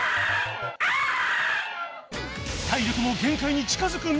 体力も限界に近づく中